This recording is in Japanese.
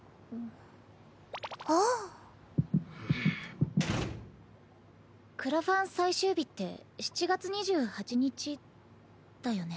バタンクラファン最終日って７月２８日だよね？